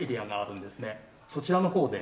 そちらの方で。